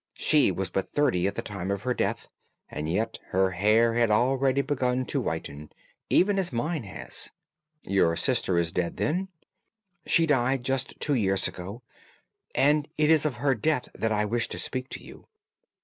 She was but thirty at the time of her death, and yet her hair had already begun to whiten, even as mine has." "Your sister is dead, then?" "She died just two years ago, and it is of her death that I wish to speak to you.